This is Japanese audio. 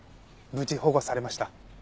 無事保護されました。